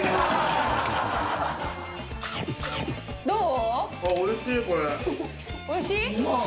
どう？